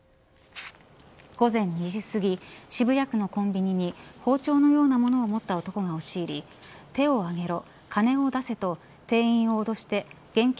午前２時すぎ渋谷区のコンビニに包丁のようなものを持った男が押し入り手を上げろ金を出せと店員を脅して現金